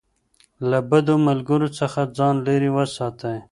له بدو ملګرو څخه ځان لېرې وساتئ.